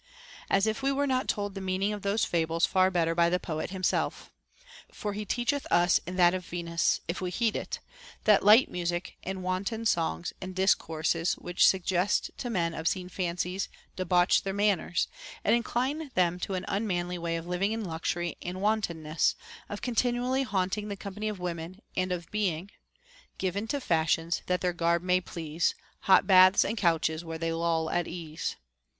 As if we were not told the meaning of those fables far better by the poet himself. For he teacheth us in that of Venus, if we heed it, that light music and wanton songs and dis courses which suggest to men obscene fancies debaucL their manners, and incline them to an unmanly way of living in luxury and wantonness, of continually haunting the company of women, and of being Given to fashions, that their garb may please, Hot baths, and couches where they loll at ease.